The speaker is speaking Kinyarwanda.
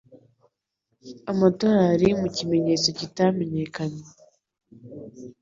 amadolari mu kimenyetso kitamenyekanye